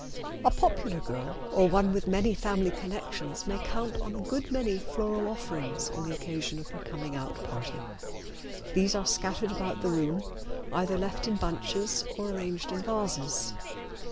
A popular girl or one with many family connections may count on a good many floral offerings on the occasion of her coming out party. These are scattered about the room, either left in bunches or arranged in vases.